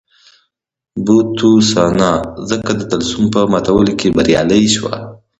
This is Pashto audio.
بوتسوانا ځکه د طلسم په ماتولو کې بریالۍ شوه.